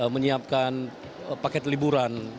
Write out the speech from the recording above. menyiapkan paket liburan